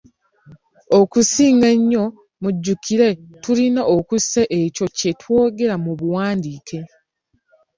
Okusinga ennyo mujjukire, tulina okussa ekyo kye twogera mu buwandiike.